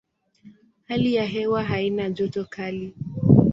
Hali ya hewa haina joto kali.